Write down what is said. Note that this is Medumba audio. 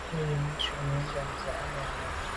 Màmá à’ tswə́ yə́n kɔ̌ shúnì támzə̄ à nɛ̌n lá’.